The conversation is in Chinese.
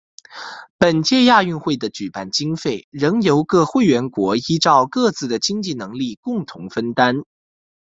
本届亚运会的举办经费仍由各会员国依照各自的经济能力共同分担。